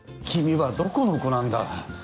君はどこの子なんだ